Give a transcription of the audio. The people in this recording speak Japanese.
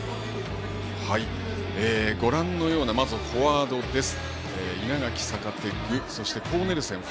ご覧のようなまずフォワードです。